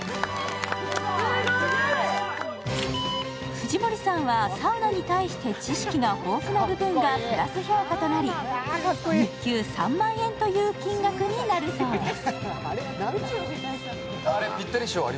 藤森さんはサウナに対して知識が豊富な部分がプラス評価となり、日給３万円という金額になるそうです。